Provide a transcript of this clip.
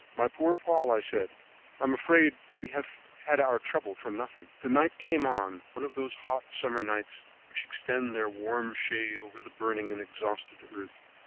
"My poor Paul," I said, "I am afraid we have had our trouble for nothing." The night came on, one of those hot summer nights which extend their warm shade over the burning and exhausted earth.